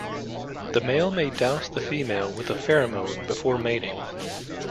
The male may douse the female with a pheromone before mating.